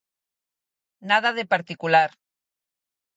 Nada de particular.